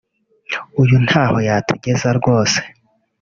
Uyu ntaho yatugeza rwose